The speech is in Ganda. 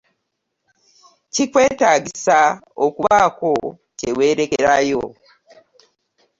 Kikwetaagisa okubaako kye weerekerayo?